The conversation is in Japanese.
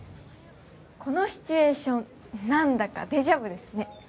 このシチュエーション何だかデジャブですね